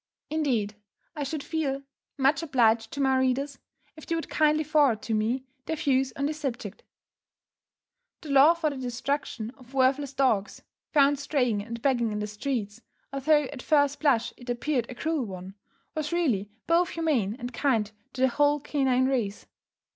Indeed, I should feel much obliged to my readers, if they would kindly forward to me, their views on this subject. The law for the destruction of worthless dogs, found straying and begging in the streets, although at first blush it appeared a cruel one, was really both humane and kind to the whole canine race.